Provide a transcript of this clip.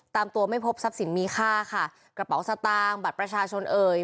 ตามตัวไม่พบทรัพย์สินมีค่าค่ะกระเป๋าสตางค์บัตรประชาชนเอ่ย